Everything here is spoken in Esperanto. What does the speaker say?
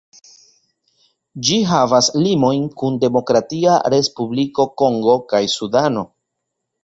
Ĝi havas limojn kun Demokratia Respubliko Kongo kaj Sudano.